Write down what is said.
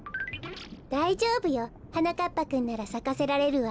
だいじょうぶよ。はなかっぱくんならさかせられるわ。